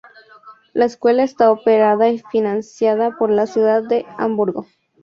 La escuela está operada y financiada por la ciudad de Hamburgo.